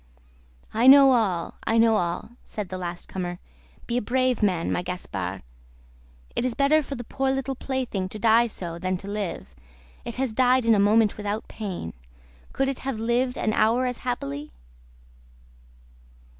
"I know all, I know all," said the last comer. "Be a brave man, my Gaspard! It is better for the poor little plaything to die so, than to live. It has died in a moment without pain. Could it have lived an hour as happily?"